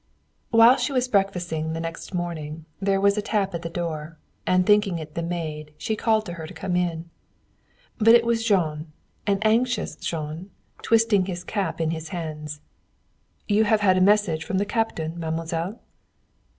IX While she was breakfasting the next morning there was a tap at the door, and thinking it the maid she called to her to come in. But it was Jean, an anxious Jean, twisting his cap in his hands. "You have had a message from the captain, mademoiselle?"